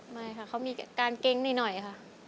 ไม่ค่ะเขามีการเก๊งนิดหน่อยค่ะ